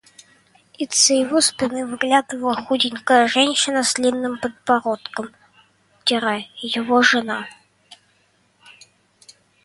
Из-за его спины выглядывала худенькая женщина с длинным подбородком — его жена.